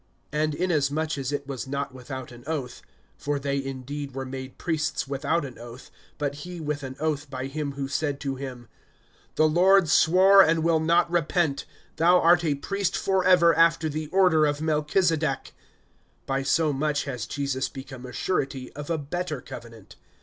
(20)And inasmuch as it was not without an oath, (21)for they indeed were made priests without an oath, but he with an oath by him who said to him: The Lord swore and will not repent, thou art a priest forever after the order of Melchizedek[7:21], (22)by so much has Jesus become a surety of a better covenant.